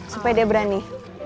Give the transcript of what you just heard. supaya dia berani